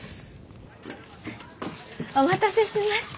お待たせしました！